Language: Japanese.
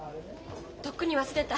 とっくに忘れた。